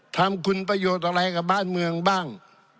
ทำคุณประโยชน์อะไรกับบ้านเมืองบ้าง